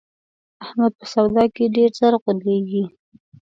احمد په سودا کې ډېر زر غولېږي.